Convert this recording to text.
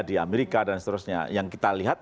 di amerika dan seterusnya yang kita lihat